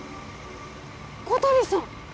小鳥さん！